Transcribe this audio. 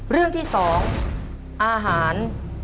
เรื่องที่๒อาหาร